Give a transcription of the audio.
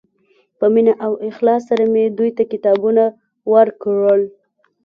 په مینه او اخلاص سره مې دوی ته کتابونه ورکړل.